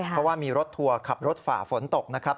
เพราะว่ามีรถทัวร์ขับรถฝ่าฝนตกนะครับ